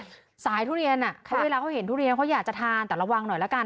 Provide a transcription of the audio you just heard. สายทุเรียนเวลาเขาเห็นทุเรียนเขาอยากจะทานแต่ระวังหน่อยละกัน